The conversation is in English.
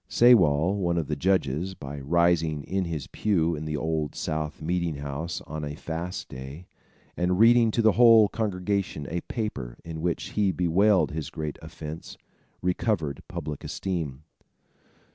Sewall, one of the judges, by rising in his pew in the Old South meeting house on a fast day, and reading to the whole congregation a paper, in which he bewailed his great offence, recovered public esteem.